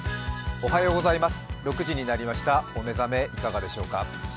お目覚めいかがでしょうか。